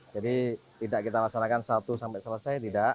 jadi tidak kita laksanakan satu sampai selesai tidak